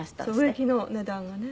「植木の値段がね」